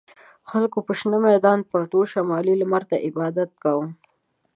خلکو په شنه میدان پروتو شمالي لمر ته عبادت کاوه.